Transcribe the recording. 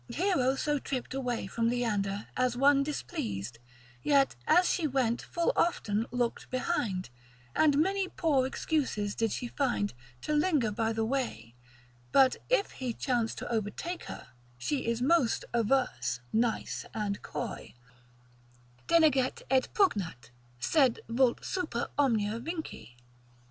Hero so tripped away from Leander as one displeased, Yet as she went full often look'd behind, And many poor excuses did she find To linger by the way,——— but if he chance to overtake her, she is most averse, nice and coy, Denegat et pugnat, sed vult super omnia vinci.